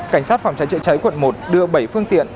cảnh sát phòng cháy chữa cháy quận một đưa bảy phương tiện